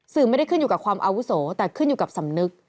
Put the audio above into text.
ไม่ได้ขึ้นอยู่กับความอาวุโสแต่ขึ้นอยู่กับสำนึก